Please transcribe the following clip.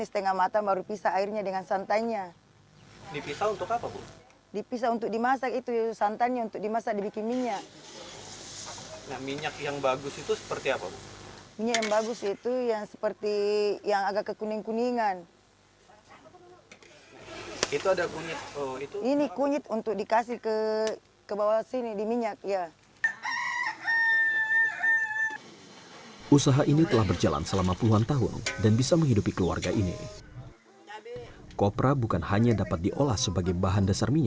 terima kasih telah menonton video ini